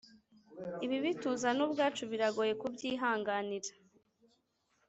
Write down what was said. ibibi tuzana ubwacu biragoye kubyihanganira.